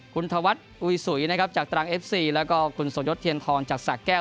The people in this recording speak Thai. คุณธวัฒน์อุยสุยนะครับจากตรังเอฟซีแล้วก็คุณสมยศเทียนทองจากสะแก้ว